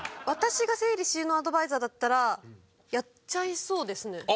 私が整理収納アドバイザーだったらやっちゃいそうですね。